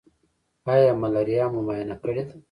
ایا ملاریا مو معاینه کړې ده؟